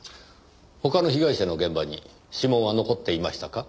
他の被害者の現場に指紋は残っていましたか？